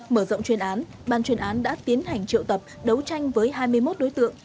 mở rộng chuyên án ban chuyên án đã tiến hành triệu tập đấu tranh với hai mươi một đối tượng